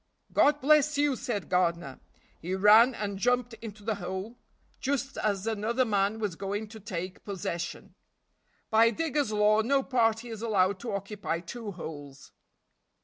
"God bless you!" said Gardiner. He ran and jumped into the hole just as another man was going to take possession. By digger's law no party is allowed to occupy two holes.